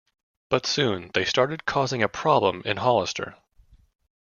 But soon, they started causing a problem in Hollister.